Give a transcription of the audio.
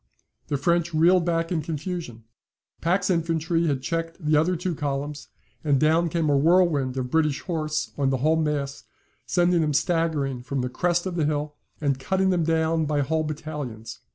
The French reeled back in confusion. Pack's infantry had checked the other two columns and down came a whirlwind of British horse on the whole mass, sending them staggering from the crest of the hill, and cutting them down by whole battalions.